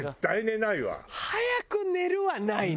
「早く寝る」はないね。